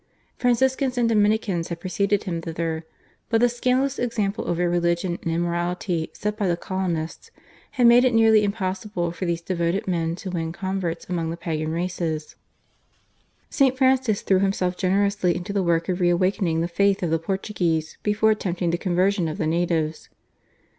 Franciscans and Dominicans had preceded him thither, but the scandalous example of irreligion and immorality set by the colonists had made it nearly impossible for these devoted men to win converts amongst the pagan races. St. Francis threw himself generously into the work of re awakening the faith of the Portuguese before attempting the conversion of the natives.